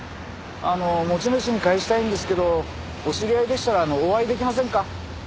あの持ち主に返したいんですけどお知り合いでしたらお会いできませんか？